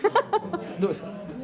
どうですか？